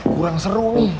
kurang seru nih